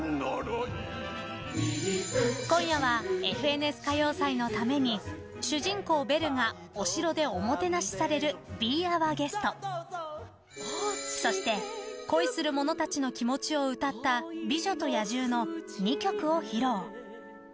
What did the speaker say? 今夜は「ＦＮＳ歌謡祭」のために主人公・ベルがお城でおもてなしされる「ビー・アワ・ゲスト」そして恋する者たちの気持ちを歌った「美女と野獣」の２曲を披露。